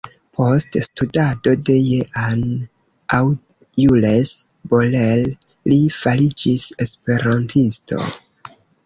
Post studado de Jean aŭ Jules Borel, li fariĝis esperantisto.